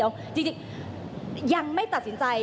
ยังไม่ตัดสินใจ